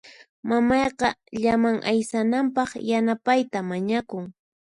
Mamayqa llaman aysanapaq yanapayta mañakun.